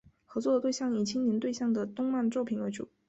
合作的对象以青年对象的动漫作品为主。